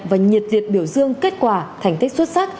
và nhiệt liệt biểu dương kết quả thành tích xuất sắc